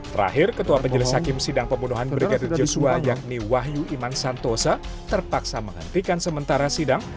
terakhir ketua majelis hakim sidang pembunuhan brigadir joshua yakni wahyu iman santosa terpaksa menghentikan sementara sidang